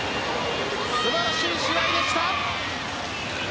素晴らしい試合でした。